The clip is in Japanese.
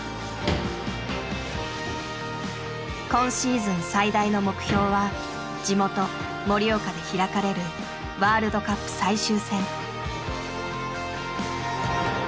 今シーズン最大の目標は地元盛岡で開かれるワールドカップ最終戦。